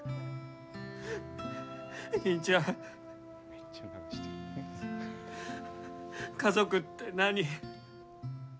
兄ちゃん、家族って何？